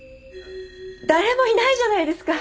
誰もいないじゃないですか！